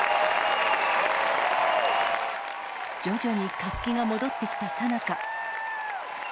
徐々に活気が戻ってきたさなか。